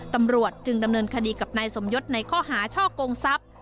ตำรวจจึงดำเนินคดีกับนายสมยศในข้อหาช่อกงทรัพย์